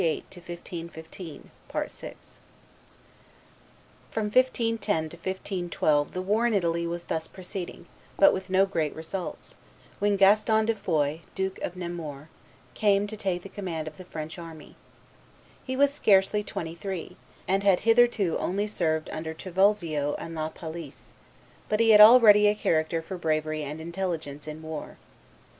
346 349.] [Illustration: Chaumont d'Amboise 350] From 1510 to 1512 the war in Italy was thus proceeding, but with no great results, when Gaston de Foix, Duke of Nemours, came to take the command of the French army. He was scarcely twenty three, and had hitherto only served under Trivulzio and La Palisse; but he had already a character for bravery and intelligence in war.